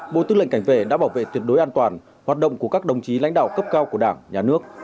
bộ tư lệnh cảnh vệ đã bảo vệ tuyệt đối an toàn hoạt động của các đồng chí lãnh đạo cấp cao của đảng nhà nước